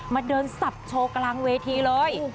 มาเดินสับโชว์กลางเวทีเลย